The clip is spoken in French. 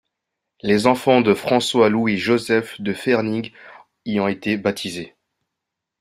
Les enfants de François Louis Joseph de Fernig y ont été baptisés.